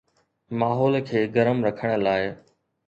ماحول کي گرم رکڻ لاءِ